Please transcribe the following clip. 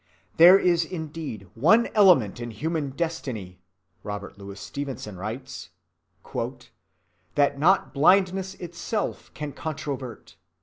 "There is indeed one element in human destiny," Robert Louis Stevenson writes, "that not blindness itself can controvert.